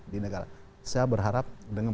di negara saya berharap dengan